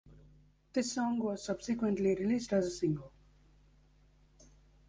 This song was subsequently released as a single.